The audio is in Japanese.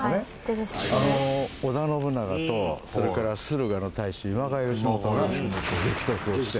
あの織田信長とそれから駿河の太守今川義元が激突をして。